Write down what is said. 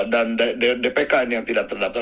dpk ini yang tidak terdata